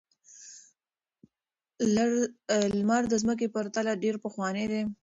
لمر د ځمکې په پرتله ډېر پخوانی دی.